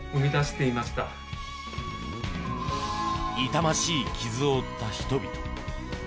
痛ましい傷を負った人々。